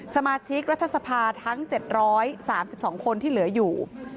สมาชิกรัฐสภาทั้ง๗๓๒คนที่เหลืออยู่